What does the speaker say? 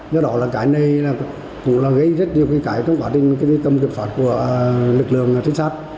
do đó là cái này cũng là gây rất nhiều cái trong quá trình cầm kiểm soát của lực lượng chính xác